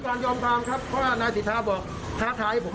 ว่าผมตบทรัพย์ต้องฮไอนูยาคดีกับผม